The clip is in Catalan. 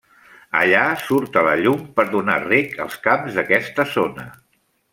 Allà surt a la llum, per donar reg als camps d'aquesta zona.